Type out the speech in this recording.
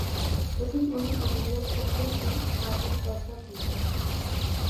لېكىن ئۇنى ئەدەبىيات شەكلى بىلەن ئىپادىلەپ بەرسە بولىدۇ.